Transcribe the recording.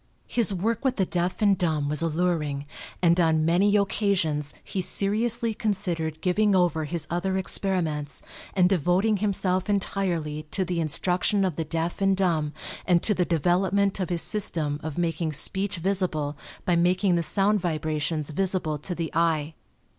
His work with the deaf and dumb was alluring, and on many occasions he seriously considered giving over his other experiments and devoting himself entirely to the instruction of the deaf and dumb and to the development of his system of making speech visible by making the sound vibrations visible to the eye.